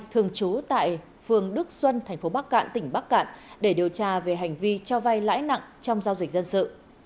thường trú tại phường đức xuân tp bắc cạn tỉnh bắc cạn để điều tra về hành vi cho vay lãi nặng trong giao dịch dân sự